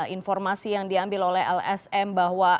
informasi yang diambil oleh lsm bahwa